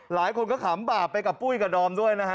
หลายคนก็ขำบาปไปกับปุ้ยกับดอมด้วยนะฮะ